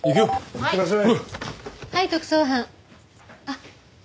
いってらっしゃい。